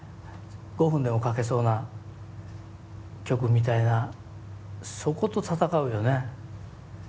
５分でも書けそうな曲みたいなそこと闘うよね。